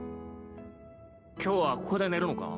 今日はここで寝るのか？